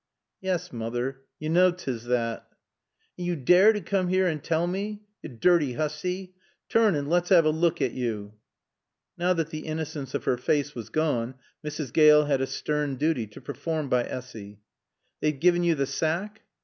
"Yas, moother, yo knaw 'tis thot." "An' yo dare to coom 'ear and tell mae! Yo dirty 'oossy! Toorn an' lat's 'ave a look at yo." Now that the innocence of her face was gone, Mrs. Gale had a stern duty to perform by Essy. "They've gien yo t' saack?"